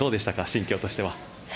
心境としては。